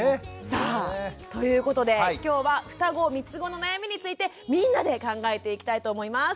さあということで今日は「ふたご・みつごの悩み」についてみんなで考えていきたいと思います。